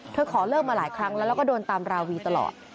ขอเลิกมาหลายครั้งแล้วแล้วก็โดนตามราวีตลอด